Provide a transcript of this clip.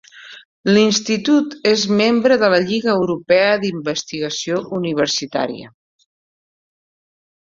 L'institut és membre de la Lliga Europea d'Investigació Universitària.